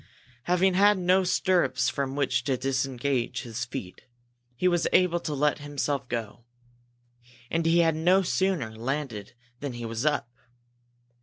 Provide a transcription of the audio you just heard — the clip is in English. Having had no stirrups from which to disengage his feet, he was able to let himself go. And he had no sooner landed than he was up.